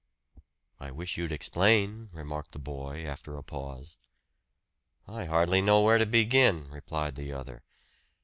"I wish you'd explain," remarked the boy after a pause. "I hardly know where to begin," replied the other.